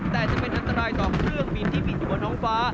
แต่จะเป็นอันตรายต่อเครื่องบินที่ปิดหัวน้องฟ้า